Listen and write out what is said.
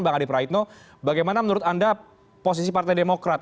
bang adip raidno bagaimana menurut anda posisi partai demokrat